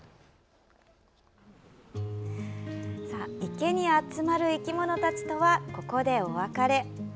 池に集まる生き物たちとはここでお別れ。